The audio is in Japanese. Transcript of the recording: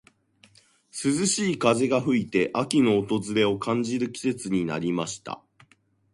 涼しい風が吹いて、秋の訪れを感じる季節になりました。